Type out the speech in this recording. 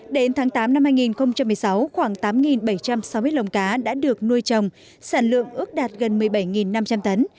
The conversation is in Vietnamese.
đến tháng tám năm hai nghìn một mươi sáu khoảng tám bảy trăm sáu mươi lồng cá đã được nuôi trồng sản lượng ước đạt gần một mươi bảy năm trăm linh tấn